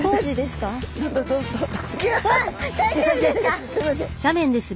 すいません。